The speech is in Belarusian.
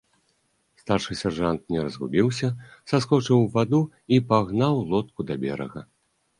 Старшы сяржант не разгубіўся, саскочыў у ваду і пагнаў лодку да берага.